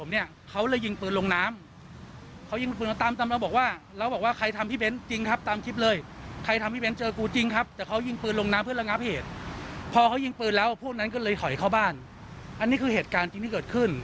อันนี้คือเหตุการณ์จริงที่เกิดขึ้น